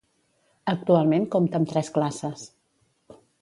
Actualment compta amb tres classes.